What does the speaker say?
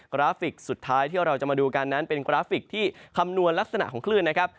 กราฟิกสุดท้ายที่เราจะมาดูกันนั้นเป็นกราฟิกที่คำนวณลักษณะของคลื่นนะครับ